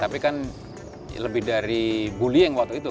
tapi kan lebih dari bullying waktu itu